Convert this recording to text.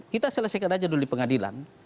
kita selesaikan aja dulu di pengadilan